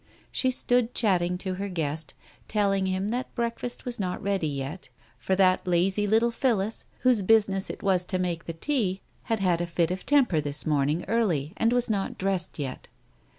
She stood chatting to her guest, telling him that break fast was not ready yet, for that lazy little Phillis, whose business it was to make the tea, had had a fit of temper this morning early, and was not dressed yet.